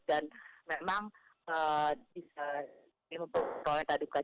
dan memang bisa memperoleh taduka